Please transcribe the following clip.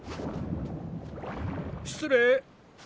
失礼。